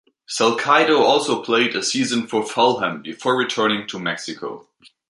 Salcido also played a season for Fulham before returning to Mexico.